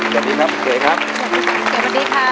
สวัสดีครับเก๋ครับสวัสดีครับสวัสดีครับเก๋ครับขอบคุณครับ